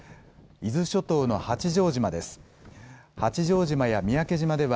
伊豆諸島の八丈島です。